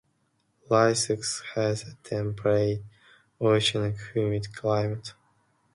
Lisieux has a temperate oceanic humid climate.